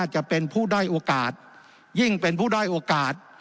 จะเป็นผู้ด้อยโอกาสยิ่งเป็นผู้ได้โอกาส